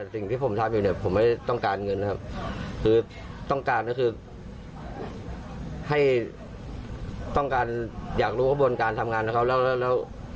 สิ่งที่ผมทำอยู่เนี่ยผมไม่ต้องการเงินนะครับคือต้องการก็คือ